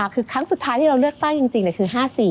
คือครั้งสุดท้ายที่เราเลือกตั้งจริงคือ๕๔